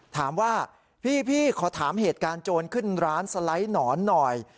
ถามว่าพี่ขอถามเหตุการณ์โจรขึ้นร้านสไลด์หนอนหน่อย